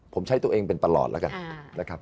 ผมใช้ตัวเองเป็นตลอดแล้วกันนะครับ